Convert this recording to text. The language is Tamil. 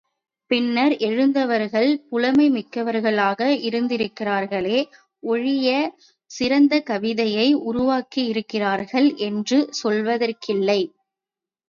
பின்னர் எழுந்தவர்கள் புலமைமிக்கவர்களாக இருந்திருக்கிறார்களே ஒழிய சிறந்த கவிதையை உருவாக்கியிருக்கிறார்கள் என்று சொல்வதற்கில்லை.